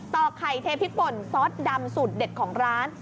อกไข่เทพริกป่นซอสดำสูตรเด็ดของร้าน